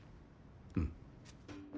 うん。